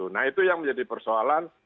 nah itu yang menjadi persoalan